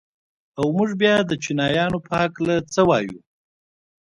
او موږ بيا د چينايانو په هکله څه وايو؟